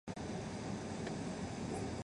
现在人们仍称仁川站为下仁川站。